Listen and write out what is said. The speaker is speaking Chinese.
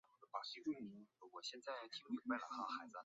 普雷佩查语中的轻重读是不同的音位。